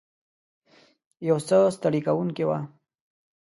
یو څه ستړې کوونکې وه.